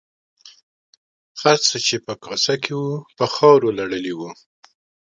هر څه چې په کاسه کې وو په خاورو لړلي وو.